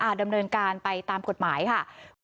ดำเนินการไปตามกฎหมายค่ะ